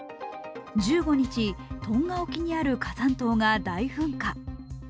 １５日、トンガ沖にある火山島が大噴火。